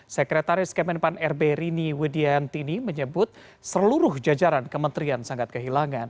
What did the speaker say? sekretaris kemenpan rb rini widiantini menyebut seluruh jajaran kementerian sangat kehilangan